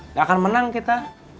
nggak akan menang kita